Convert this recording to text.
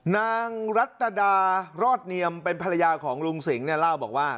นางรัตดารอดเนียมเป็นภรรยาของลุงสิงห์เนี่ยเล่าบอกว่า